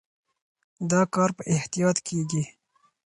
دا کار په احتیاط کېږي.